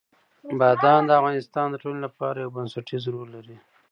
بادام د افغانستان د ټولنې لپاره یو بنسټيز رول لري.